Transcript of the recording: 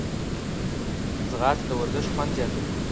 ځغاسته د ورزش خوند زیاتوي